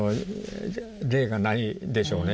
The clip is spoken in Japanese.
例がないでしょうね。